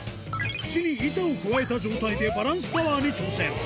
口に板をくわえた状態でバランスタワーに挑戦。